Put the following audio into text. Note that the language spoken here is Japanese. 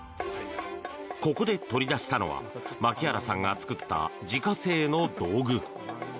ここで取り出したのは牧原さんが作った自家製の道具。